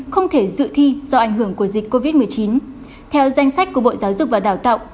không thể dự thi do ảnh hưởng của dịch covid một mươi chín